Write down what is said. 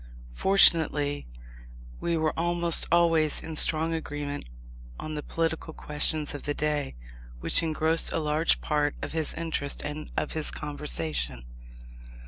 Fortunately we were almost always in strong agreement on the political questions of the day, which engrossed a large part of his interest and of his conversation.